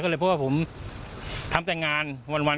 เพราะว่าผมทำแต่งานวัน